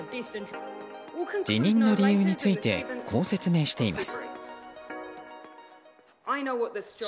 辞任の理由についてこう説明しています。